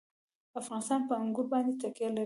افغانستان په انګور باندې تکیه لري.